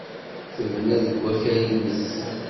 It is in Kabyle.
Tebna deg wakal-nnes.